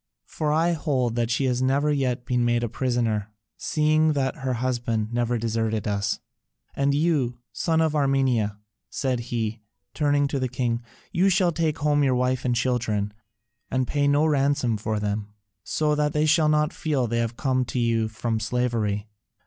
For I hold that she has never yet been made a prisoner, seeing that her husband never deserted us. And you, son of Armenia," said he, turning to the king, "you shall take home your wife and children, and pay no ransom for them, so that they shall not feel they come to you from slavery.